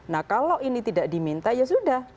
nah kalau ini tidak diminta ya sudah